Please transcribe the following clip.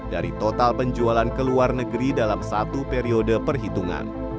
dari total penjualan ke luar negeri dalam satu periode perhitungan